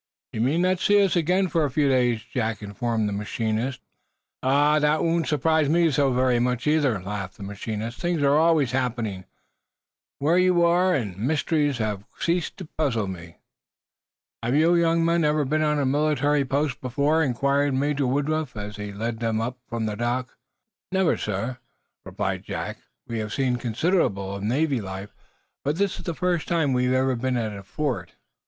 "You may not see us again, for a few days," Jack informed the machinist, in winding up. "That won't surprise me so very much, either," laughed the machinist. "Things are always happening, where you are, and mysteries have ceased to puzzle me." "Have you young men ever been on a military post before?" inquired Major Woodruff, as he led them up from the dock. "Never sir," replied Jack. "We have seen considerable of Navy life, but this is the first time we've ever been at a fort."